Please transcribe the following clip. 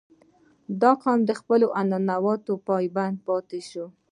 • دا قوم د خپلو عنعناتو پابند پاتې شوی.